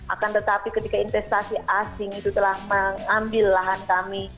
akan tetapi ketika investasi asing itu telah mengambil lahan kami